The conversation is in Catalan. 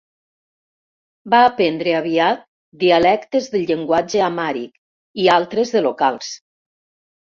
Va aprendre aviat dialectes del llenguatge amhàric i altres de locals.